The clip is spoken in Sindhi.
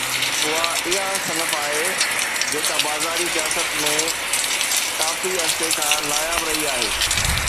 اها اها صنف آهي جيڪا بازاري سياست ۾ ڪافي عرصي کان ناياب رهي آهي.